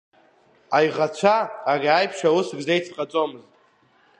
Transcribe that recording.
Аиӷацәа ари аиԥш аус рзеицҟаҵомызт.